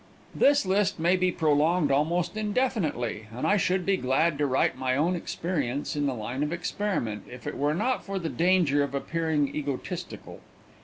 This list might be prolonged almost indefinitely, and I should be glad to write my own experience in the line of experiment, if it were not for the danger of appearing egotistical.